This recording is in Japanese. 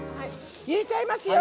入れちゃいますよ！